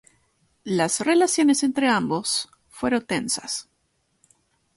Las relaciones entre ambos fueron tensas.